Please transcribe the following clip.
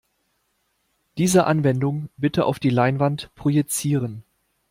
Diese Anwendung bitte auf die Leinwand projizieren.